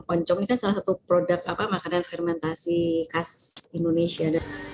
oncom ini kan salah satu produk makanan fermentasi khas indonesia